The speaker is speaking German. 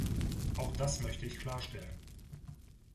Auch das möchte ich klarstellen.